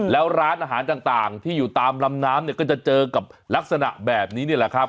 แล้วร้านอาหารต่างที่อยู่ตามลำน้ำเนี่ยก็จะเจอกับลักษณะแบบนี้นี่แหละครับ